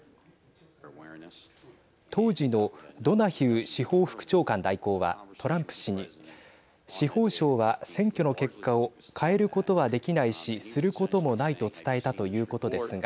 当時のドナヒュー司法副長官代行はトランプ氏に司法省は選挙の結果を変えることはできないしすることもないと伝えたということですが。